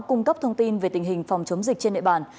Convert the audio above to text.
cung cấp thông tin về tình hình phòng chống dịch trên địa bàn